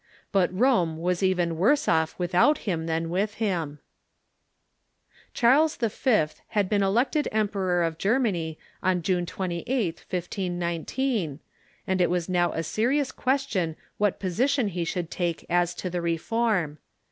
But Rome was even worse off without him than with him. Charles V. had been elected Emperor of Germany on June 28th, 1519, and it was now a serious question what position he would take as to the Reform.